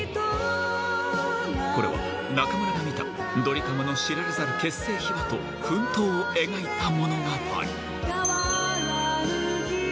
これは、中村が見たドリカムの知られざる結成秘話と奮闘を描いた物語。